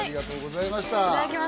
いただきます